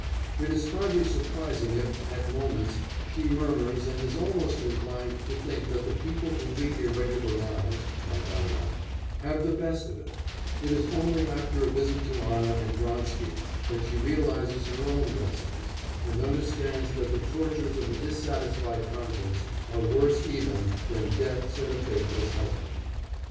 It is hardly surprising if, at moments, she murmurs, and is almost inclined to think that the people who lead irregular lives (like Anna) have the best of it; it is only after a visit to Anna and Vronsky that she realises her own blessings, and understands that the tortures of a dissatisfied conscience are worse even than debts and a faithless husband.